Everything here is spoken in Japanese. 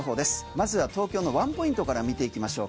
まずは東京のワンポイントから見ていきましょう。